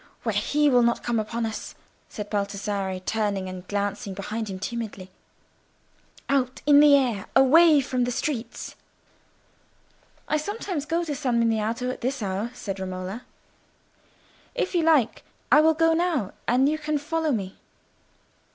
"Where he will not come upon us," said Baldassarre, turning and glancing behind him timidly. "Out—in the air—away from the streets." "I sometimes go to San Miniato at this hour," said Romola. "If you like, I will go now, and you can follow me.